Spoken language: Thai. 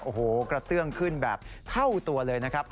โอ้โหกระเตื้องขึ้นแบบเท่าตัวเลยนะครับ